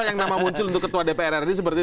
yang nama muncul untuk ketua dpr ri seperti